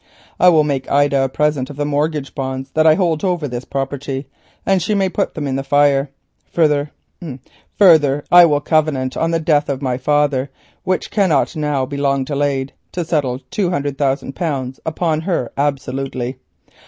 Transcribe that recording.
I will make Ida a present of the mortgage that I hold over this property, and she may put it in the fire. Further, I will covenant on the death of my father, which cannot now be long delayed, to settle two hundred thousand pounds upon her absolutely.